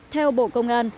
theo bộ công an